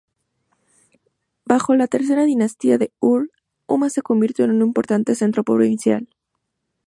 Bajo la Tercera Dinastía de Ur, Umma se convirtió en un importante centro provincial.